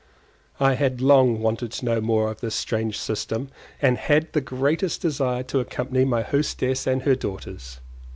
I had long wanted to know more of this strange system, and had the greatest desire to accompany my hostess and her daughters.